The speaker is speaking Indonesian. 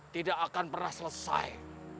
tidak akan pernah selesai